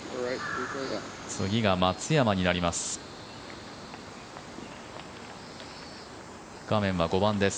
次が松山になります。